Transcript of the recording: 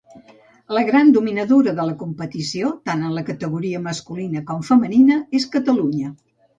La gran dominadora de la competició, tant en categoria masculina com femenina, és Catalunya.